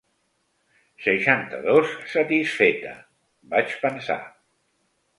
Seixanta-dos satisfeta!, vaig pensar.